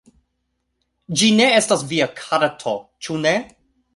Ĝi ne estas via karto, ĉu ne?